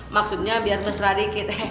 maksudnya biar mesra dikit